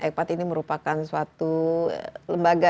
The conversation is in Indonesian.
egpat ini merupakan suatu lembaga ya